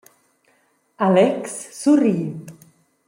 Alex surri.